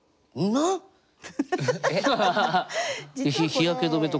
日焼け止めとか？